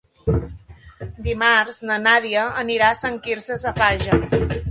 Dimarts na Nàdia anirà a Sant Quirze Safaja.